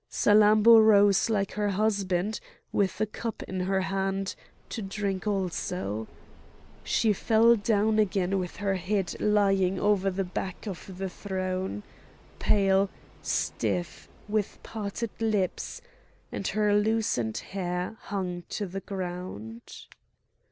Salammbô rose like her husband, with a cup in her hand, to drink also. She fell down again with her head lying over the back of the throne,—pale, stiff, with parted lips,—and her loosened hair hung to the ground.